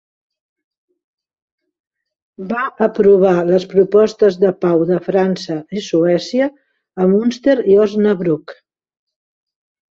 Va aprovar les propostes de pau de França i Suècia, a Münster i Osnabruck.